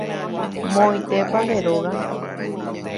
Moõitépa nde róga.